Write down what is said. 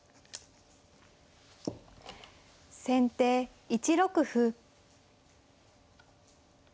先手１六歩。